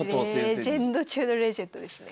レジェンド中のレジェンドですね。